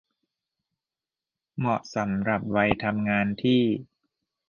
เหมาะสำหรับวัยทำงานที่